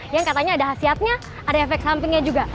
yang katanya ada hasiatnya ada efek sampingnya juga